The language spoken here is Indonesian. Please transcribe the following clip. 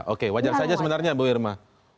oke wajar saja sebenarnya bu irma